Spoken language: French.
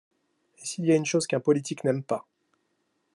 Et s'il y a une chose qu'un politique n'aime pas.